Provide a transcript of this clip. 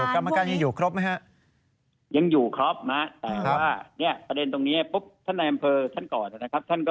กรรมการพี่พูดนี้หรือยังอยู่อัฐงวะศิลปะ